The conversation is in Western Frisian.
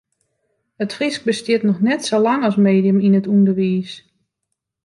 It Frysk bestiet noch net sa lang as medium yn it ûnderwiis.